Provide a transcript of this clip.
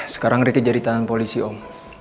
sekarang ricky jadi tahanan polisi om